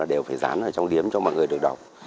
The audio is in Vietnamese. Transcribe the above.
đều phải dán ở trong điếm cho mọi người được đọc